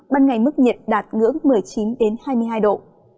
ban ngày mức nhiệt đạt ngưỡng một mươi chín hai mươi hai độ